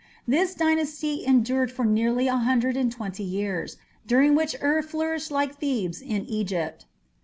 This dynasty endured for nearly a hundred and twenty years, during which Ur flourished like Thebes in Egypt.